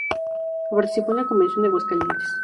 Participó en la Convención de Aguascalientes.